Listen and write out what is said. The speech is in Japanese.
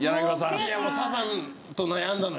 いやもうサザンと悩んだのよ。